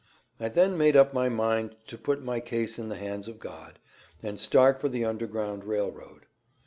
I then made up my mind to put my case in the hands of God, and start for the Underground Rail Road.